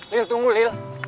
lila tunggu lil